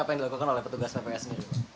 apa yang dilakukan oleh petugas pps sendiri